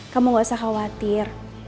kamu gak usah khawatir